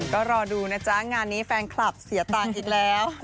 ก็รอดูนะจ๊ะงานนี้แฟนคลับเสียตังค์อีกแล้ว